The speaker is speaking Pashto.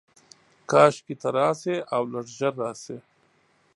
کاشکي ته راشې، اولږ ژر راشې